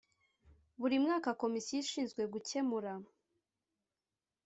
buri mwaka komisiyo ishizwe gukemura